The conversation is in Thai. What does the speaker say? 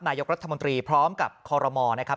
นายกรัฐมนตรีพร้อมกับคอรมอลนะครับ